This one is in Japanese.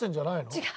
違う。